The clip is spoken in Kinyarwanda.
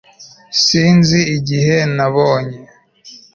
sinzi igihe nabonye